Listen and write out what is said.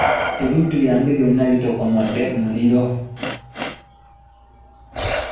ebintu byange byonna bitokomokedde mu muliro.